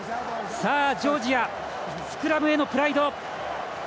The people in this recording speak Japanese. ジョージアスクラムへのプライド。